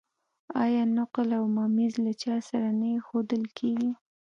آیا نقل او ممیز له چای سره نه ایښودل کیږي؟